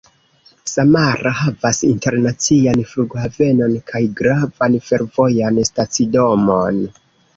Samara havas internacian flughavenon kaj gravan fervojan stacidomon.